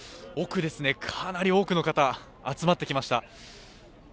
奥、かなり多くの方集まってきました。